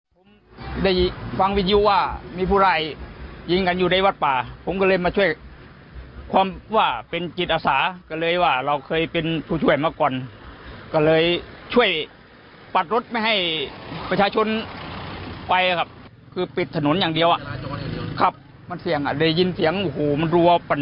ผมได้ฟังวิทยุว่ามีผู้ไล่ยิงกันอยู่ในวัดป่าผมก็เลยมาช่วยความว่าเป็นจิตอาสาก็เลยว่าเราเคยเป็นผู้ช่วยมาก่อนก็เลยช่วยปัดรถไม่ให้ประชาชนไปครับคือปิดถนนอย่างเดียวอ่ะครับมันเสี่ยงอ่ะได้ยินเสียงโอ้โหมันรัวปั่น